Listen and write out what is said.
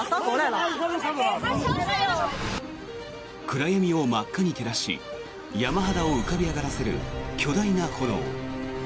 暗闇を真っ赤に照らし山肌を浮かび上がらせる巨大な炎。